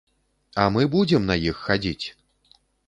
А мы будзем на іх хадзіць!